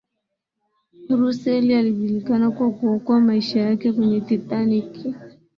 russell alijulikana kwa kuokoa maisha yake kwenye titanic